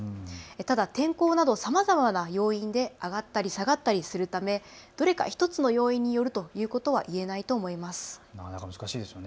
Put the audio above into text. ただ天候など、さまざまな要因で上がったり下がったりするためどれか１つの要因によるということは言えないと思います。